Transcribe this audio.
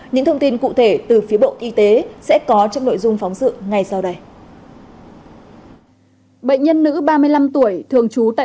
những thông tin cụ thể từ phía bộ y tế sẽ có trong nội dung phóng sự ngay sau đây